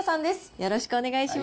よろしくお願いします。